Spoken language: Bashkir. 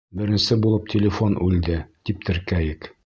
Беренсе булып телефон үлде, тип теркәйек.